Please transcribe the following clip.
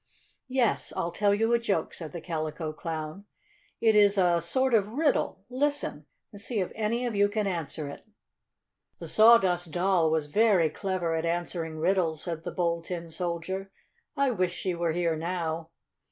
"Yes, I'll tell you a joke," said the Calico Clown. "It is a sort of riddle. Listen, and see if any of you can answer it." "The Sawdust Doll was very clever at answering riddles," said the Bold Tin Soldier. "I wish she were here now."